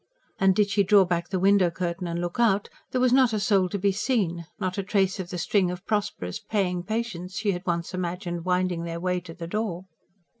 And did she draw back the window curtain and look out, there was not a soul to be seen: not a trace of the string of prosperous, paying patients she had once imagined winding their way to the door.